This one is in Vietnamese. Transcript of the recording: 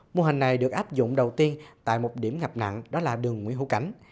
mô hình này được áp dụng đầu tiên tại một điểm ngập nặng đó là đường nguyễn hữu cảnh